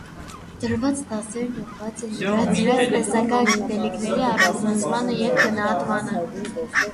Տրված դասերն ուղղված են յուրացրած տեսական գիտելիքների առանձնացմանը և գնահատմանը։